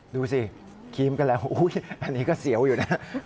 ดูสิครีมกันแล้วอันนี้ก็เสียวอยู่นะ